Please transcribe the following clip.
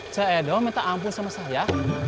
cee doh minta ampun sama saya